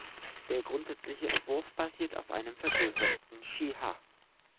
Der grundsätzliche Entwurf basiert auf einem vergrößerten Chi-Ha.